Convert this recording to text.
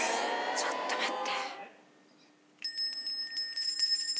ちょっと待って。